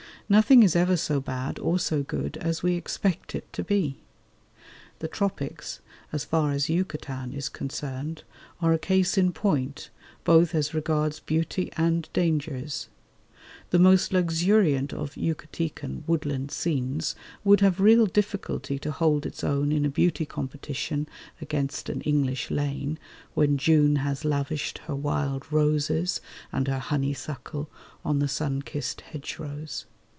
Nothing is ever so bad or so good as we expect it to be. The Tropics, as far as Yucatan is concerned, are a case in point, both as regards beauty and dangers. The most luxuriant of Yucatecan woodland scenes would have real difficulty to hold its own in a beauty competition against an English lane when June has lavished her wild roses and her honeysuckle on the sunkissed hedgerows.